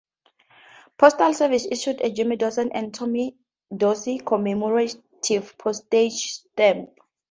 Postal Service issued a Jimmy Dorsey and Tommy Dorsey commemorative postage stamp.